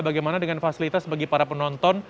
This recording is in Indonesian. bagaimana dengan fasilitas bagi para penonton